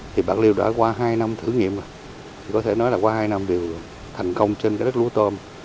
thì bạc liêu đã qua hai năm thử nghiệm rồi thì có thể nói là qua hai năm đều thành công trên cái đất lúa tôm